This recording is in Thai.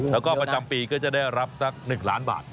แล้วก็ประจำปีก็จะได้รับสัก๑ล้านบาท